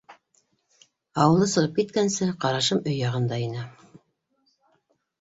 Ауылды сығып киткәнсе, ҡарашым өй яғында ине.